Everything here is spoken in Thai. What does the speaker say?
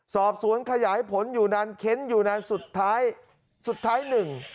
สอบสวนขยายผลอยู่นานเค้นอยู่นานสุดท้ายสุดท้ายหนึ่ง